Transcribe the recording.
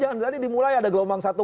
jangan tadi dimulai ada gelombang satu